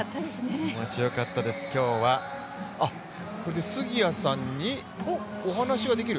気持ちよかったです、今日は杉谷さんにお話ができる。